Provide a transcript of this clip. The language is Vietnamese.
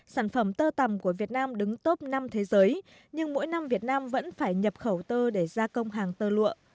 sản phẩm tơ tầm của việt nam đứng top năm thế giới nhưng mỗi năm việt nam vẫn phải nhập khẩu tơ để gia công hàng tơ lụa